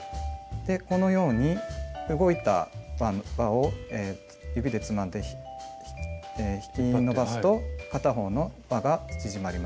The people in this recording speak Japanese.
このように動いた輪を指でつまんで引き伸ばすと片方の輪が縮まります。